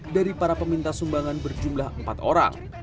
dari para peminta sumbangan berjumlah empat orang